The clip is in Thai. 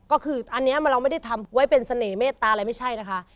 ก็คืออันนี้เราไม่ได้ทำไว้เป็นเสน่หมเมตตาอะไรไม่ใช่นะคะ